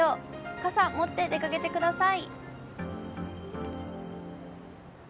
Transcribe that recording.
傘、持って出かけてください。